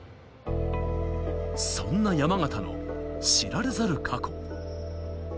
そんな山縣の知られざる過去。